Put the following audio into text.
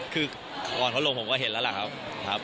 คือก่อนเขาลงผมก็เห็นแล้วล่ะครับ